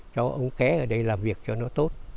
cháu ông ké ở đây làm việc cho nó tốt